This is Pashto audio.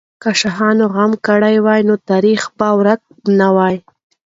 که شاهانو غم کړی وای، نو تاریخ به یې ورک نه وای.